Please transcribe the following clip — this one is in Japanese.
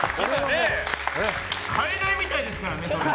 買えないみたいですからねそれ。